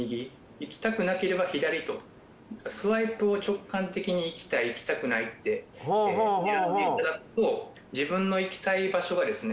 行きたくなければ左とスワイプを直感的に行きたい行きたくないって選んでいただくと自分の行きたい場所がですね